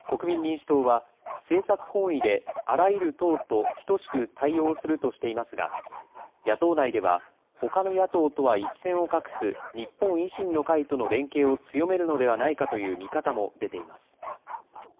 一方、国民民主党は、政策本位であらゆる党と等しく対応するとしていますが、野党内ではほかの野党とは一線を画す日本維新の会との連携を強めるのではないかという見方も出ています。